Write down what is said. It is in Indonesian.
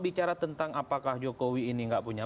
bicara tentang apakah jokowi ini nggak punya